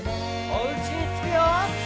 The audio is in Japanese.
おうちにつくよ。